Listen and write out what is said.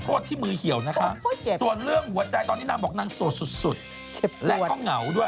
ที่มือเหี่ยวนะคะส่วนเรื่องหัวใจตอนนี้นางบอกนางโสดสุดและก็เหงาด้วย